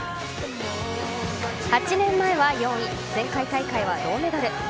８年前は４位前回大会は銅メダル。